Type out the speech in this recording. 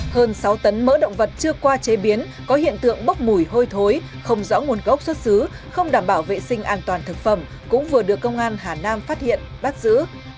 hơn sáu tấn mỡ động vật chưa qua chế biến có hiện tượng bốc mùi hôi thối không rõ nguồn gốc xuất xứ không đảm bảo vệ sinh an toàn thực phẩm cũng vừa được công an hà nam phát hiện bắt giữ